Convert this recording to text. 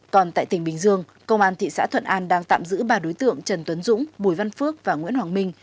còn tại tỉnh bình dương công an thị xã thuận an đang tạm giữ ba đối tượng trần tuấn dũng bùi văn phước và nguyễn hoàng minh